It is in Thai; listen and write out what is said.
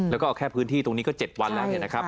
แล้วก็เอาแค่พื้นที่ตรงนี้ก็๗วันแล้วเนี่ยนะครับ